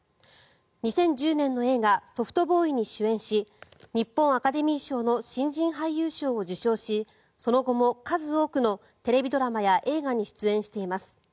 ２０１０年の映画「ソフトボーイ」に主演し日本アカデミー賞の新人俳優賞を受賞しその後も数多くのテレビドラマや映画に出演しています。